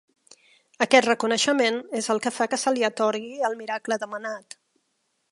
Aquest reconeixement és el que fa que se li atorgui el miracle demanat.